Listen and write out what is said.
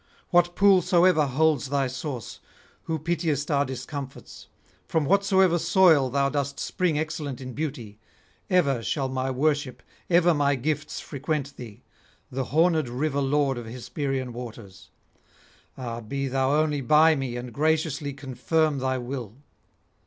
What pool soever holds thy source, who pitiest our discomforts, from whatsoever soil thou dost spring excellent in beauty, ever shall my worship, ever my gifts frequent thee, the hornèd river lord of Hesperian waters. Ah, be thou only by me, and graciously confirm thy will.'